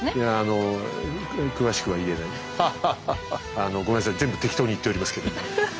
あのごめんなさい全部適当に言っておりますけど。